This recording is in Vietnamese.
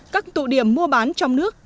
các tụ điểm mua bán trong nước